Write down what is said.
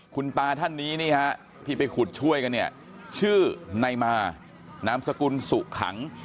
คุณตาท่านนี้นี่ฮะที่ไปขุดช่วยกันเนี่ยชื่อนายมานามสกุลสุขัง